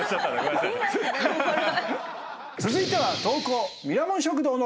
続いては。